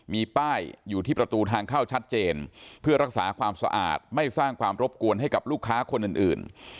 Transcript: มีป้ายอยู่ที่ประตูทางเข้าชัดเจนเพื่อรักษาความสะอาดไม่สร้างความรบกวนให้กับลูกค้าคนอื่น